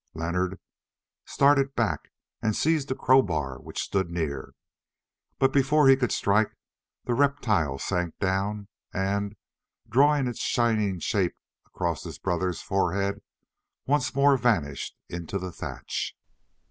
Leonard started back and seized a crowbar which stood near, but before he could strike, the reptile sank down and, drawing its shining shape across his brother's forehead, once more vanished into the thatch.